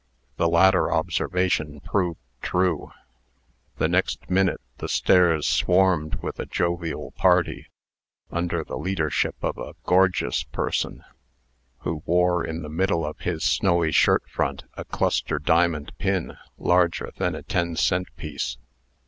The latter observation proved true. The next minute, the stairs swarmed with a jovial party, under the leadership of a gorgeous person, who wore in the middle of his snowy shirt front a cluster diamond pin larger than a ten cent piece.